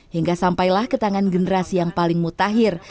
hingga sampailah ke tangan generasi yang paling mutakhir